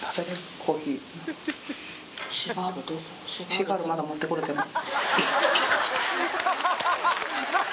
シガールまだ持って来られてない。